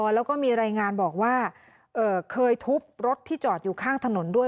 แล้วก็มีรายงานบอกว่าเคยทุบรถที่จอดอยู่ข้างถนนด้วย